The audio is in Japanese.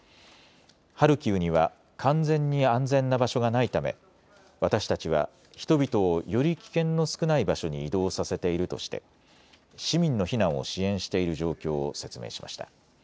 ハルキウには完全に安全な場所がないため私たちは人々をより危険の少ない場所に移動させているとして市民の避難を支援している状況を説明しました。